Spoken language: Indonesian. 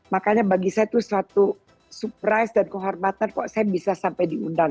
makanya bagi saya itu suatu surprise dan kehormatan kok saya bisa sampai diundang